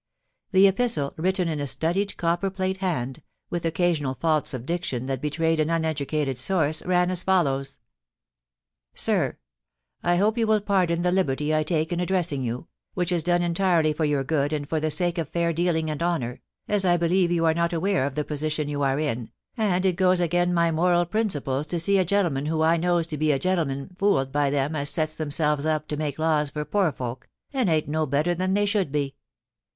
The epistle, written in a studied, copper plate hand, with occasional faults of diction that betrayed an uneducated source, ran as follows : 310 POLICY AND PASSION. 'Sir, * I hope you will pardon the liberty I take in address ing you, which is done entirely for your good and for the sake of fair dealing and honour, as I believe you are not aware of the position you are in, and it goes agen my moral principles to see a gentleman who I knows to be a gende man fooled by them as sets themselves up to make laws for poor folk, and ain't no better than they should be.